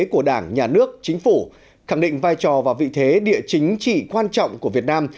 của đảng nhà nước chính phủ khẳng định vai trò và vị thế địa chính trị quan trọng của việt nam